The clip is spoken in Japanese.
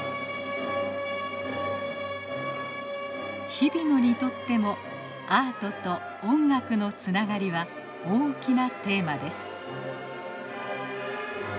日比野にとってもアートと音楽のつながりは大きなテーマです。